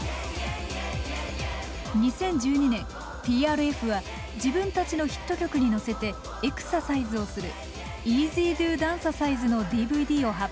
２０１２年ＴＲＦは自分たちのヒット曲にのせてエクササイズをする「ＥＺＤＯＤＡＮＣＥＲＣＩＺＥ」のＤＶＤを発表。